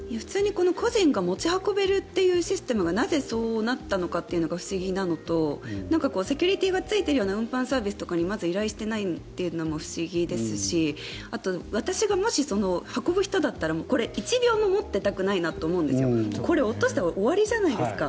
個人が持ち運べるシステムがなぜそうなったのかというのが不思議なのとセキュリティーがついている運搬サービスとかに依頼してないのも不思議で私がもし運ぶ人だったらこれ、１秒も持っていたくないなと思うんです落としたら終わりじゃないですか。